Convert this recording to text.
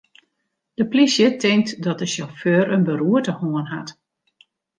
De polysje tinkt dat de sjauffeur in beroerte hân hat.